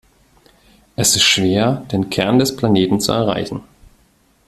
Es ist schwer, den Kern des Planeten zu erreichen.